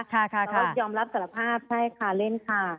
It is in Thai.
เขายอมรับสารภาพใช่ค่ะเล่นค่ะ